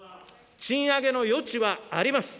賃上げの余地はあります。